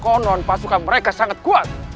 konon pasukan mereka sangat kuat